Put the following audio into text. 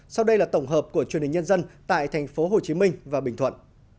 sau đây là tổng hợp của truyền hình nhân dân tại tp hcm và bình thuận